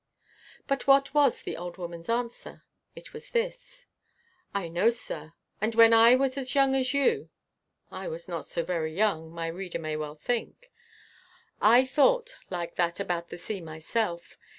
But what was the old woman's answer? It was this: "I know, sir. And when I was as young as you" I was not so very young, my reader may well think "I thought like that about the sea myself.